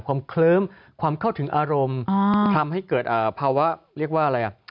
เคลิ้มความเข้าถึงอารมณ์ทำให้เกิดภาวะเรียกว่าอะไรอ่ะ